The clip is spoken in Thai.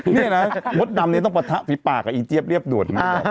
เนี่ยนะมสดเนี่ยต้องปายผิดปากก็ไอ้เจี๊ยบเรียบดวช